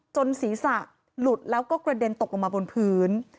ศีรษะหลุดแล้วก็กระเด็นตกลงมาบนพื้น